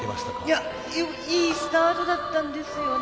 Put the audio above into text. いやいいスタートだったんですよね。